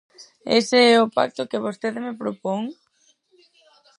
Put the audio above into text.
¿Ese é o pacto que vostede me propón?